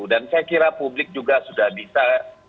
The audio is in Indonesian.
dan saya kira publik juga sudah bisa